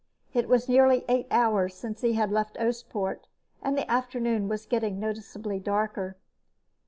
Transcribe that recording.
It was nearly eight hours since he had left Oostpoort, and the afternoon was getting noticeably darker.